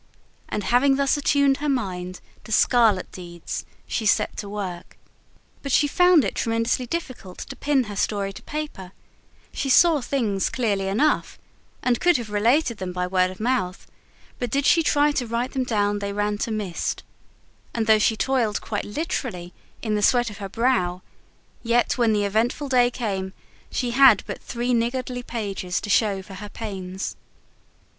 And having thus attuned her mind to scarlet deeds, she set to work. But she found it tremendously difficult to pin her story to paper: she saw things clearly enough, and could have related them by word of mouth; but did she try to write them down they ran to mist; and though she toiled quite literally in the sweat of her brow, yet when the eventful day came she had but three niggardly pages to show for her pains.